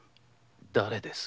誰です？